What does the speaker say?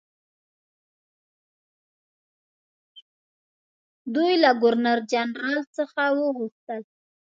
دوی له ګورنرجنرال څخه وغوښتل.